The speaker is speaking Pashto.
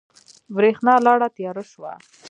برېښنا لاړه تیاره شوه